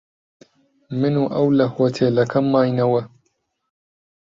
من و ئەو لە هۆتێلەکە ماینەوە.